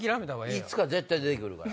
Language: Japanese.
いつか絶対出て来るから。